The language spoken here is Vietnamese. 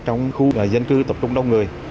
trong khu dân cư tập trung đông người